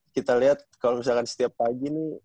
kita lihat kalau misalkan setiap pagi nih